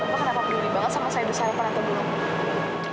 bapak kenapa peduli banget sama saya dosa yang pernah terbunuh